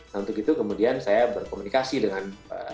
nah untuk itu kemudian saya berkomunikasi dengan